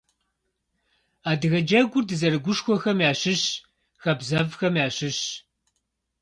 Адыгэ джэгур дызэрыгушхуэхэм ящыщ хабзэфӏхэм ящыщщ.